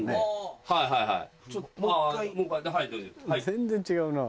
全然違うな。